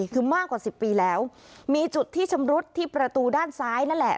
คือมากกว่าสิบปีแล้วมีจุดที่ชำรุดที่ประตูด้านซ้ายนั่นแหละ